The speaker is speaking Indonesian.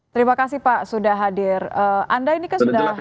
terima kasih pak sudah hadir anda ini kan sudah